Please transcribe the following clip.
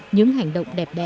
những hành động đẹp đẽ